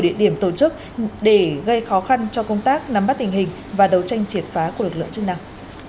địa điểm tổ chức để gây khó khăn cho công tác nắm bắt tình hình và đấu tranh triệt phá của lực lượng chức năng